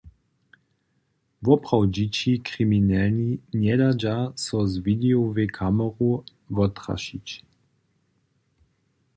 Woprawdźići kriminelni njedadźa so z widejowej kameru wottrašić.